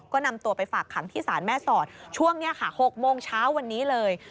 ก็นำตัวไปฝากขังที่ศาลแม่สอดช่วงนี้ค่ะ๖โมงเช้าวันนี้เลย